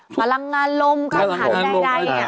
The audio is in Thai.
พลังงานลมค่อนข้างได้